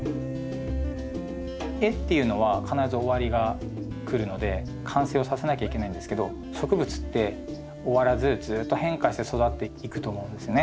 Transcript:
絵っていうのは必ず終わりがくるので完成をさせなきゃいけないんですけど植物って終らずずっと変化して育っていくと思うんですね。